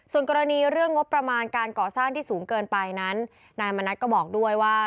ส่วนกรณีเรื่องงบประมาณการก่อสร้างที่สูงเกินไปนั้นนายมณัฐก็บอกด้วยว่า